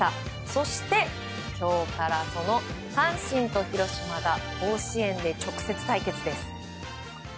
そして今日からその阪神と広島が甲子園で直接対決です。